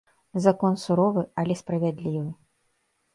Закон суровы, але справядлівы.